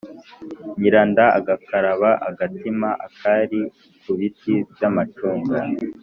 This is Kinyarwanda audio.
nyiranda agakaraba agatima kari ku biti by'amacunga